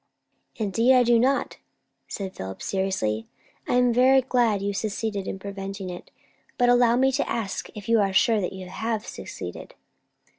"Indeed I do not," said Philip seriously. "I am very glad you succeeded in preventing it But allow me to ask if you are sure you have succeeded?